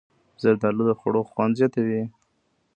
زردالو د خوړو خوند زیاتوي.